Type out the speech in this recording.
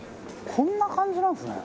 こんな感じなんですね。